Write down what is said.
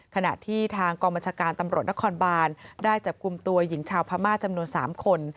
ขณะที่ทางกองบัญชาการตำรวจนครบานได้จับกลุ่มตัวหญิงชาวพม่าจำนวน๓คน